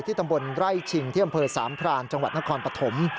ตำบลไร่ชิงที่อำเภอสามพรานจังหวัดนครปฐม